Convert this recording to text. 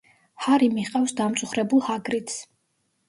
ჰარი მიჰყავს დამწუხრებულ ჰაგრიდს.